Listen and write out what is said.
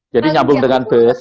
jadi nyambung dengan bus